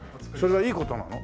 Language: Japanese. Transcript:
それはいい事なの？